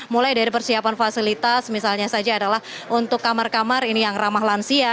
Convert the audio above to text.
mulai dari persiapan fasilitas misalnya saja adalah untuk kamar kamar ini yang ramah lansia